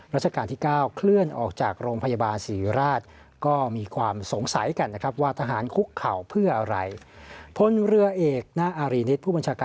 รัชกาลที่๙เคลื่อนออกจากโรงพยาบาลศิริราช